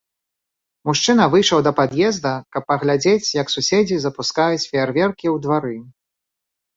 Мужчына выйшаў да пад'езда, каб паглядзець, як суседзі запускаюць феерверкі ў двары.